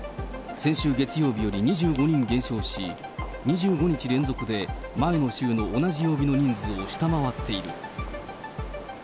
先週月曜日より２５人減少し、２５日連続で前の週の同じ曜日の人数を下回っている。